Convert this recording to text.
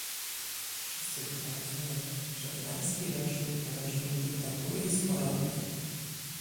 Wszyscy chyba rozumiemy, że irański reżim to reżim dyktatury i zbrodni